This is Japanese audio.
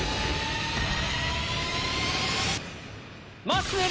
まっすー